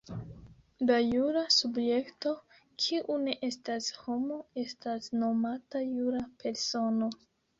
La jura subjekto, kiu ne estas homo, estas nomata jura persono.